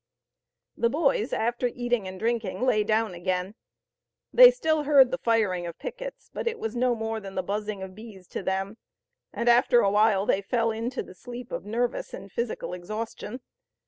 The boys, after eating and drinking lay down again. They still heard the firing of pickets, but it was no more than the buzzing of bees to them, and after a while they fell into the sleep of nervous and physical exhaustion.